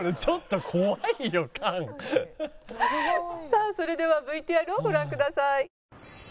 さあそれではＶＴＲをご覧ください。